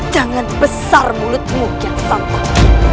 jangan besar mulutmu kian santan